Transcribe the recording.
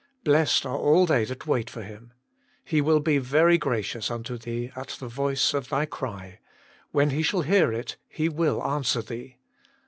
Blessed are all they that wait for Him. He will be very gracious unto thee at the voice of thy cry ; when He shall hear it, He will answer thee."